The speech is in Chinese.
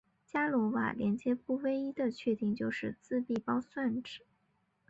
伽罗瓦连接不唯一的确定自闭包算子。